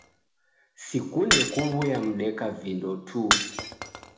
Sikunde kuw'uya mdeka-vindo tu